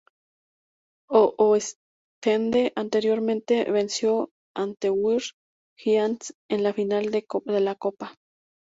Oostende anteriormente venció Antwerp Giants en la final de la Copa.